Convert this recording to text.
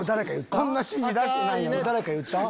こんな指示出してないよな。